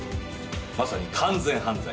まさに完全犯罪。